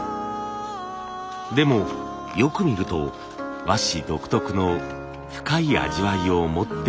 でもよく見ると和紙独特の深い味わいを持っているもの。